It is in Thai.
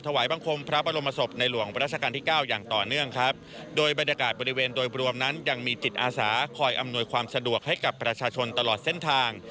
ตรงนั้นยังมีจิตอาสาคอยอำนวยความสะดวกให้กับประชาชนตลอดเส้นทาง